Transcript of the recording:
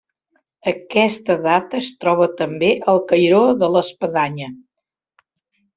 Aquesta data es troba també al cairó de l'espadanya.